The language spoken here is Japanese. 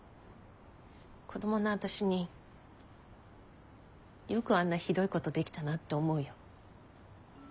子供の私によくあんなひどいことできたなって思うよ。